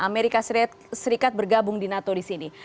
amerika serikat bergabung di nato di sini